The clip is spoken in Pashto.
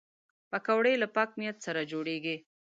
پکورې له پاک نیت سره جوړېږي